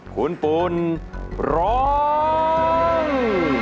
คุณปุ่นร้อง